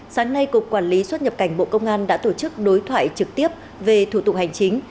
sáng nay cục quản lý xuất nhập cảnh bộ công an đã tổ chức đối thoại trực tiếp về thủ tục hành chính